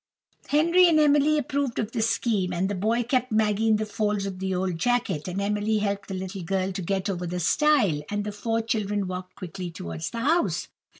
Henry and Emily approved of this scheme; the boy kept Maggy in the folds of the old jacket, and Emily helped the little girl to get over the stile; and the four children walked quickly towards the house.